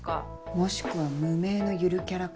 もしくは無名のゆるキャラ感。